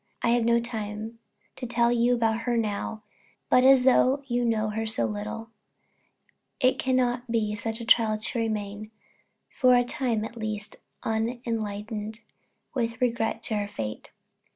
I have no time to tell you about her now; but as you know her so little, it cannot be such a trial to remain, for a time at least, unenlightened with regard to her _fate.